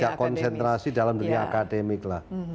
tidak konsentrasi dalam dunia akademik lah